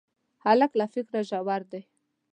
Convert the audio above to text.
هلک له فکره ژور دی.